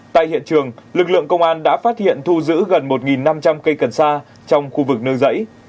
tại hiện trường lực lượng công an đã phát hiện thu giữ gần một năm trăm linh cây cần sa trong khu vực nương rẫy